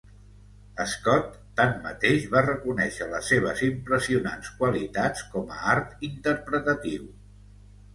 Scott, tanmateix, va reconèixer les seves impressionants qualitats com a art interpretatiu.